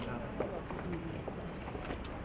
สวัสดีทุกคน